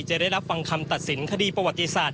ได้รับฟังคำตัดสินคดีประวัติศาสต